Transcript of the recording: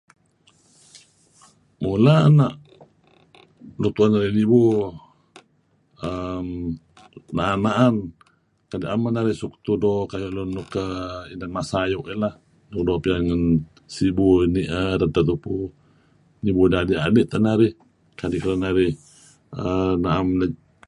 Mula' na' nuk tu'en narih nibu err na'an-na'an tidah. Na'em men narih suk tudo kayu' lun nuk inan masa ayu' lah doo' piyan ngan sibu ni'er edtah tupu. Nibu adi' adi' teh narih kadi' kedinarih err na'em